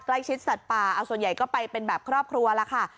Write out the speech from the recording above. สัตว์ป่าเอาส่วนใหญ่ก็ไปเป็นแบบครอบครัวแล้วค่ะ